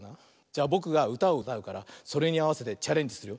じゃぼくがうたをうたうからそれにあわせてチャレンジする。